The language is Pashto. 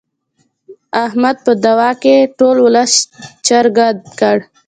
احمد په دعوه کې ټول ولس چرګه کړ.